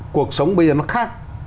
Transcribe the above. cuộc sống bây giờ nó khác